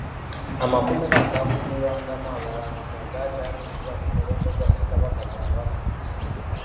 Amakomera agaakuumirwangamu Abalangira gaatandikira ku mulembe gwa Ssekabaka Kyabaggu.